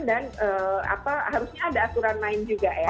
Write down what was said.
dan harusnya ada aturan lain juga ya